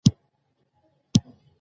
موږ باید یو بل ته ریښتیا ووایو